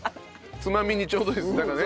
つまみにちょうどいいですねだからね。